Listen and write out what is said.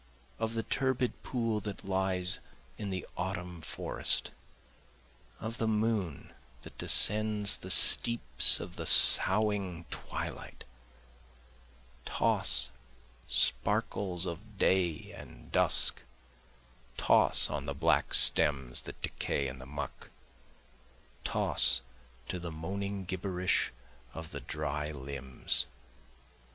Of the turbid pool that lies in the autumn forest, Of the moon that descends the steeps of the soughing twilight, Toss, sparkles of day and dusk toss on the black stems that decay in the muck, Toss to the moaning gibberish of the dry limbs.